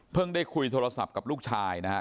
เพิ่งได้คุยโทรศัพท์กับลูกชายนะฮะ